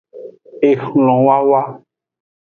Exlonwowo.